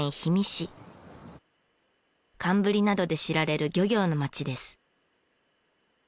寒ブリなどで知られる漁業の町です。